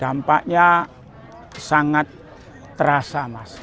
dampaknya sangat terasa mas